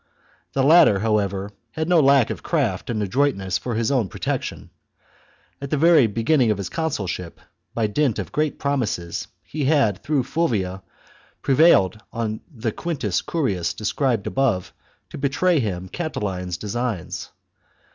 The latter, however, had no lack of craft and adroit ness for his own protection. At the very beginning of his consulship, by dint of great promises, he had, through Fulvia, prevailed on the Quintus Curius described above to betray to him Catiline's designs.